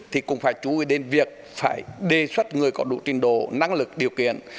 thì cũng phải chú ý đến việc phải đề xuất người có đủ trình độ năng lực điều kiện